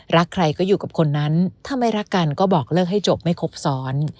รักใครก็อยู่กับคนนั้นถ้าไม่รักกันก็บอกเลิกให้จบไม่ครบซ้อน